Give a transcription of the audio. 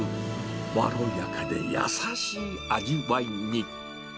まろやかで優しい味わいに。